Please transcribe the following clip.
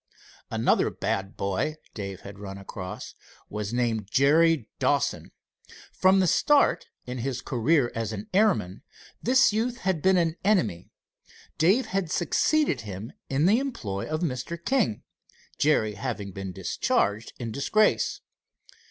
Another bad boy Dave had run across was named Jerry Dawson. From the start in his career as an airman this youth had been an enemy. Dave had succeeded him in the employ of Mr. King, Jerry having been discharged in disgrace.